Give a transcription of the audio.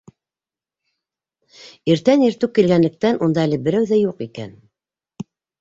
Иртән иртүк килгәнлектән унда әле берәү ҙә юҡ икән.